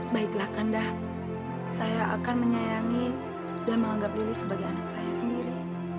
baiklah kandah saya akan menyayangi dan menganggap diri sebagai anak saya sendiri